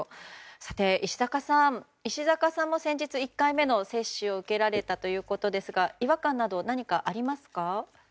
さて、石坂さんも先日、１回目の接種を受けられたということですが違和感など何か、ありますか？